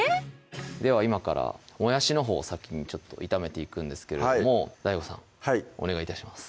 では今からもやしのほう先に炒めていくんですけれどもＤＡＩＧＯさんお願い致します